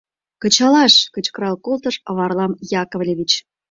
— Кычалаш! — кычкырал колтыш Варлам Яковлевич.